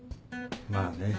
まあね。